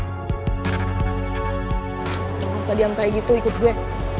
lo gak usah diam kayak gitu ikut gue